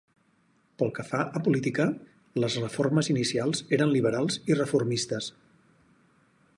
Pel que fa a política, les reformes inicials eren liberals i reformistes.